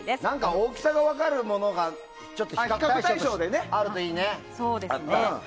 大きさが分かるものがあるといいね。